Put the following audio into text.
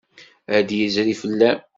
Ad d-yezri fell-am.